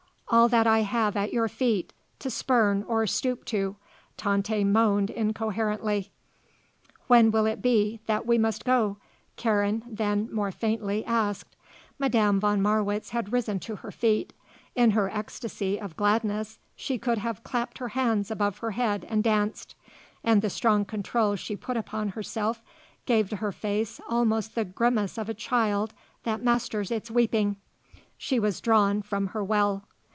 all that I have at your feet, to spurn or stoop to!" Tante moaned incoherently. "When will it be that we must go?" Karen then, more faintly, asked. Madame von Marwitz had risen to her feet. In her ecstasy of gladness she could have clapped her hands above her head and danced. And the strong control she put upon herself gave to her face almost the grimace of a child that masters its weeping. She was drawn from her well.